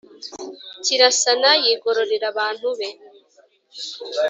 kirasana yigororera abantu be